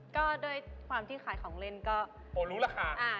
ก็ด้วยความที่ขายของเล่นก็โอ้รู้ราคา